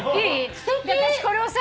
私これをさ